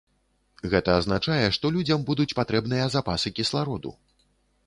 Гэта азначае, што людзям будуць патрэбныя запасы кіслароду.